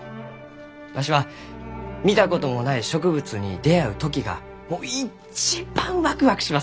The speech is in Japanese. わしは見たこともない植物に出会う時がもう一番ワクワクしますき！